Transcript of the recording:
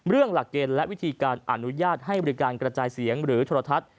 หลักเกณฑ์และวิธีการอนุญาตให้บริการกระจายเสียงหรือโทรทัศน์